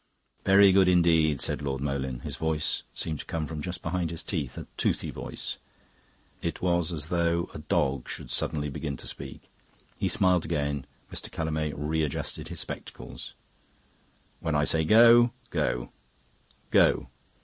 "Very good indeed," said Lord Moleyn. His voice seemed to come from just behind his teeth, a toothy voice. It was as though a dog should suddenly begin to speak. He smiled again, Mr. Callamay readjusted his spectacles. "When I say 'Go,' go. Go!"